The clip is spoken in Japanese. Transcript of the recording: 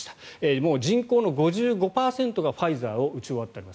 もう人口の５５％がファイザーを打ち終わっています。